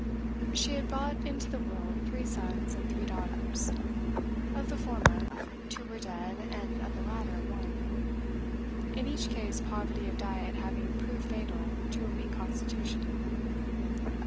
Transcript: She had brought into the world three sons and three daughters; of the former, two were dead, and of the latter, one, in each case, poverty of diet having proved fatal to a weak constitution.